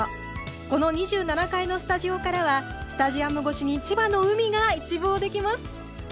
この２７階のスタジオからはスタジアム越しに千葉の海が一望できます。